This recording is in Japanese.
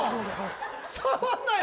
触んなよ